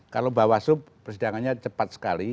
kalau bawaslu persidangannya cepat sekali